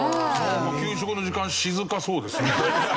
給食の時間静かそうですね。